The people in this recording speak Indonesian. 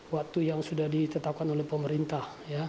waktu yang sudah ditetapkan oleh pemerintah